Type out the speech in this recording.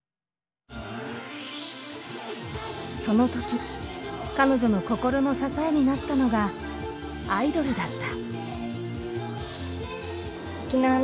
その時彼女の心の支えになったのがアイドルだった。